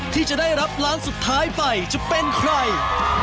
ที่จะได้รับล้านสุดท้ายไปจะเป็นใคร